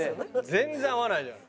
全然合わないじゃない。